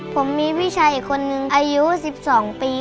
ผมมีพี่ชายอีกคนนึงอายุ๑๒ปี